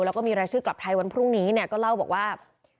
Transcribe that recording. แล้วก็มีรายชื่อกลับไทยวันพรุ่งนี้เนี่ยก็เล่าบอกว่า